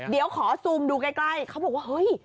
เดี๋ยวขอซูมดูใกล้เขาบอกว่าเฮ้ย